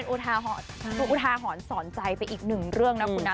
นี่ก็เป็นอุทาหอนสอนใจไปอีกหนึ่งเรื่องนะคุณนะ